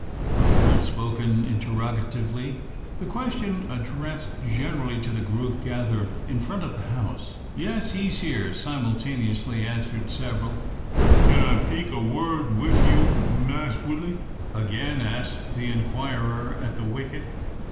are the words spoken interrogatively; the question addressed generally to the group gathered in front of the house. "Yes: he's here," simultaneously answer several. "Kin I peak a wud wif you, Mass Woodley?" again asks the inquirer at the wicket.